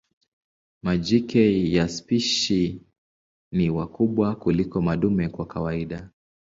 Majike ya spishi ni wakubwa kuliko madume kwa kawaida.